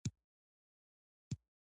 پرېکړې باید د اوږدمهاله اغېزو له مخې وشي